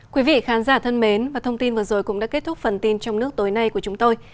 quý vị khán giả thân mến và thông tin vừa rồi cũng đã kết thúc phần tin trong nước tối nay của chúng tôi